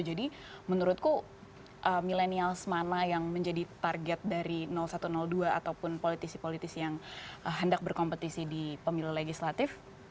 jadi menurutku milenials mana yang menjadi target dari satu dua ataupun politisi politisi yang hendak berkompetisi di pemilih legislatif